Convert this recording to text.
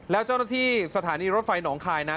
แล้วเจ้าหน้าที่สถานีรถไฟหนองคายนะ